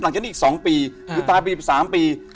หลังจากนี้อีก๒ปีหรือตายไปอีก๓ปี